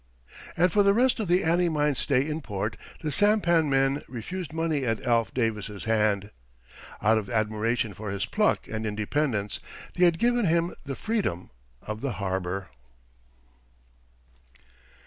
And for the rest of the Annie Mine's stay in port, the sampan men refused money at Alf Davis's hand. Out of admiration for his pluck and independence, they had given him the freedom of the harbor.